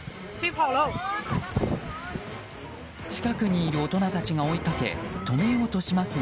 近くにいる大人たちが追いかけ止めようとしますが。